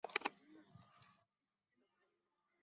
此点我们也可藉由时空图的方法来表现出。